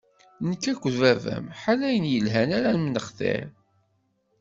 Nekk akked baba-m ḥala ayen yelhan ara m-nextir.